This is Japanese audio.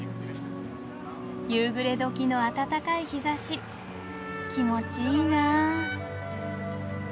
夕暮れ時の暖かい日ざし気持ちいいな。